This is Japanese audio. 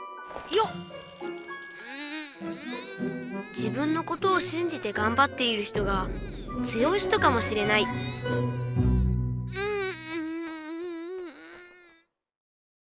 自分のことをしんじてがんばっている人が強い人かもしれないんん！